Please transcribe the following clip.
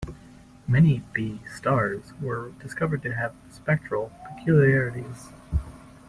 Many Be stars were discovered to have spectral peculiarities.